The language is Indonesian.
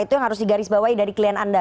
itu yang harus digarisbawahi dari klien anda